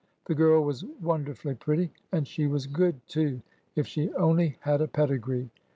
The girl was wonderfully pretty. And she was good too. If she only had a pedigree